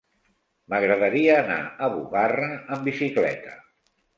M'agradaria anar a Bugarra amb bicicleta.